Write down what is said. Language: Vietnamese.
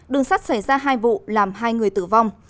đường sắt xảy ra hai vụ làm hai người tử vong